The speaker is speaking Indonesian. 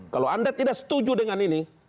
kalau anda tidak setuju dengan ini